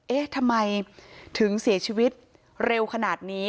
เอ๊ะทำไมถึงเสียชีวิตเร็วขนาดนี้